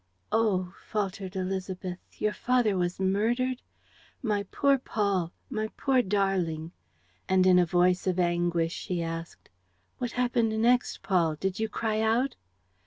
"Oh," faltered Élisabeth, "your father was murdered? ... My poor Paul, my poor darling!" And in a voice of anguish she asked, "What happened next, Paul? Did you cry out?"